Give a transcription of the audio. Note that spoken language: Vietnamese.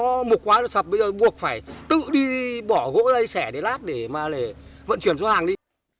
không may nó mục quá nó sập bây giờ buộc phải tự đi bỏ gỗ dây xẻ để lát để mà lại vận chuyển xuống hàng đi